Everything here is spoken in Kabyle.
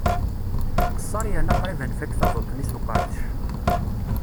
Nqesser yerna qrib ad nfakk taduṭ-nni s uqerdec.